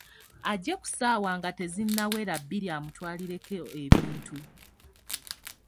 Ajje ku ssaawa nga tezinnawera bbiri amutwalireko ebintu.